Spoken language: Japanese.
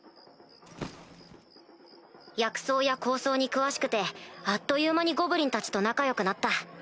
薬草や香草に詳しくてあっという間にゴブリンたちと仲良くなった。